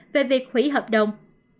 về việc hủy hợp đồng